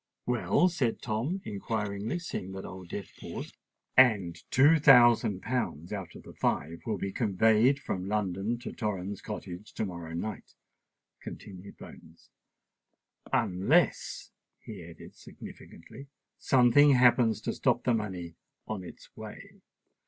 "Well?" said Tom inquiringly, seeing that Old Death paused. "And two thousand pounds out of the five will be conveyed from London to Torrens Cottage to morrow night," continued Bones: "unless," he added significantly, "something happens to stop the money on its way."